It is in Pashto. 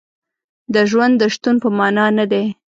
د ژوند د شتون په معنا نه دی.